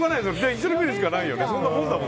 一緒に見るしかないよね。